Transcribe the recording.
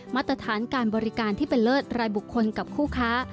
มาตรฐานการบริการที่เป็นเลิศรายบุคคลกับคู่ค้า